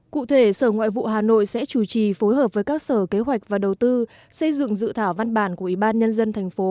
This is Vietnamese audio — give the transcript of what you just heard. cụ thể sở ngoại vụ hà nội sẽ chủ trì phối hợp với các sở kế hoạch và đầu tư xây dựng dự thảo văn bản của ủy ban nhân dân thành phố